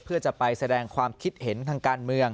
เพื่อจะไปแสดงความคิดเห็นทางการเมือง